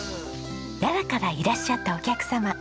奈良からいらっしゃったお客様。